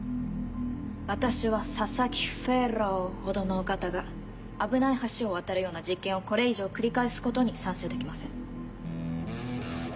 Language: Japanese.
私は佐々木フェローほどのお方が危ない橋を渡るような実験をこれ以上繰り返すことに賛成できません。